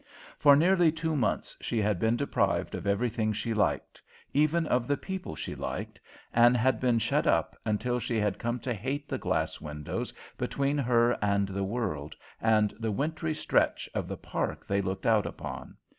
For nearly two months she had been deprived of everything she liked, even of the people she liked, and had been shut up until she had come to hate the glass windows between her and the world, and the wintry stretch of the Park they looked out upon.